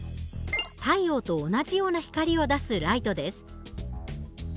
太陽と同じような光を出すライトです。